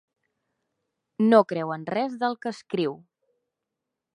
No creu en res del que escriu.